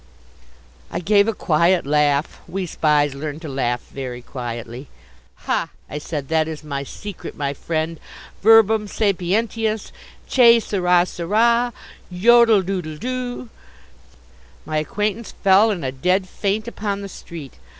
I gave a quiet laugh we Spies learn to laugh very quietly. "Ha!" I said, "that is my secret, my friend. Verbum sapientius! Che sara sara! Yodel doodle doo!" My acquaintance fell in a dead faint upon the street.